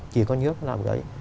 chỉ có nước làm cái đấy